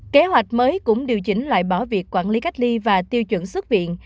kế hoạch mới cũng điều chỉnh loại bỏ việc quản lý cách ly và tiêu chuẩn xuất viện